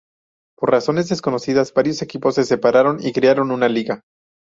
Por razones desconocidas, varios equipos se separaron y crearon una liga.